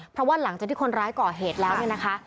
เพราะว่าหลังจากที่คนร้ายก่อเหตุแล้วเนี่ยนะคะ